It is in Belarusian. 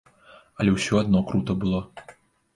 Але ўсё адно крута было.